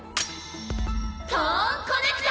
トーンコネクト！